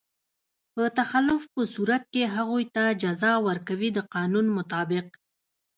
په تخلف په صورت کې هغوی ته جزا ورکوي د قانون مطابق.